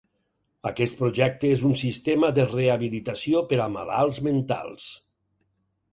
Aquest projecte és un sistema de rehabilitació per a malalts mentals.